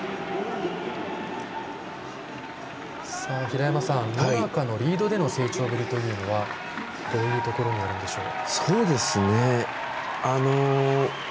平山さん野中のリードでの成長ぶりどういうところにあるんでしょう。